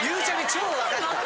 超分かった。